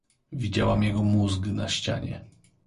Widziałam jego mózg na ścianie.